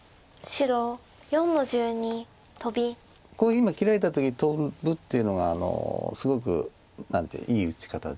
今切られた時にトブっていうのがすごくいい打ち方で。